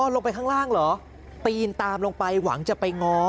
ลงไปข้างล่างเหรอปีนตามลงไปหวังจะไปง้อ